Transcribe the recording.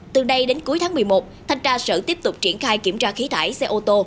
từ nay đến cuối tháng một mươi một thanh tra sở tiếp tục triển khai kiểm tra khí thải xe ô tô